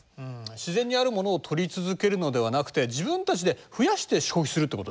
自然にあるものを取り続けるのではなくて自分たちで増やして消費するということですね。